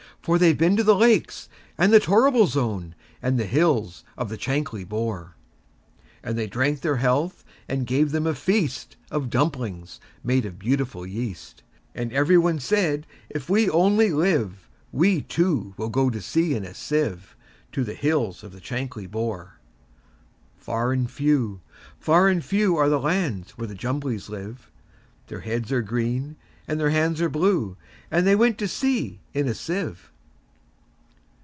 For they've been to the Lakes, and the Torrible Zone, And the hills of the Chankly Bore."And they drank their health, and gave them a feastOf dumplings made of beautiful yeast; And every one said, "If we only live, We, too, will go to sea in a sieve, To the hills of the Chankly Bore."Far and few, far and few, Are the lands where the Jumblies live:Their heads are green, and their hands are blue; And they went to sea in a sieve.